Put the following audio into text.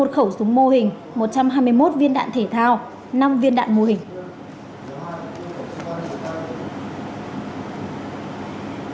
một khẩu súng mô hình một trăm hai mươi một viên đạn thể thao năm viên đạn mô hình